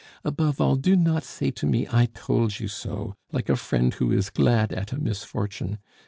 "Above all, do not say to me, 'I told you so!' like a friend who is glad at a misfortune.